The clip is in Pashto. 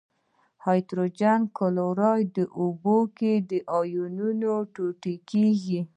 هایدروجن کلوراید په اوبو کې په آیونونو ټوټه کیږي.